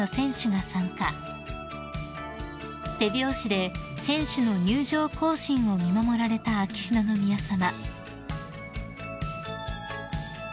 ［手拍子で選手の入場行進を見守られた秋篠宮さま］